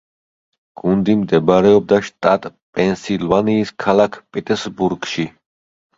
გუნდი მდებარეობდა შტატ პენსილვანიის ქალაქ პიტსბურგში.